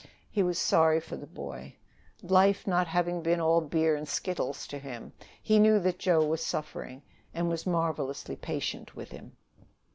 He was sorry for the boy. Life not having been all beer and skittles to him, he knew that Joe was suffering, and was marvelously patient with him.